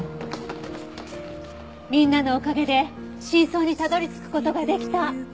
みんなのおかげで真相にたどり着く事ができた。